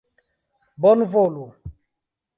Bonvolu!